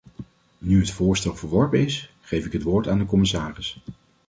Nu het voorstel verworpen is, geef ik het woord aan de commissaris.